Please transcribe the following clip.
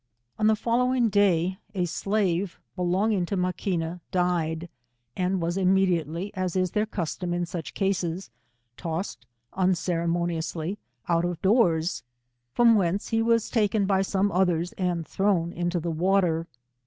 On the day following, a slave belonging to Ma quina died, and was immediately^ as is their cus> torn in such cases, tossed unceremoniously out of doors, from whence he was taken by some others, and thrown into the water.